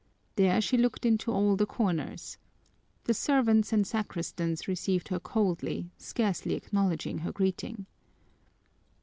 There she looked into all the corners. The servants and sacristans received her coldly, scarcely acknowledging her greeting.